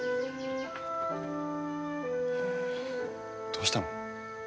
どうしたの？